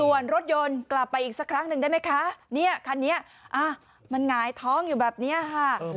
ส่วนรถยนต์กลับไปอีกสักครั้งหนึ่งได้ไหมคะเนี่ยคันนี้มันหงายท้องอยู่แบบนี้ค่ะ